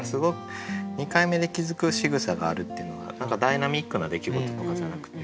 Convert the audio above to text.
「二回目で気づく仕草がある」っていうのがダイナミックな出来事とかじゃなくて。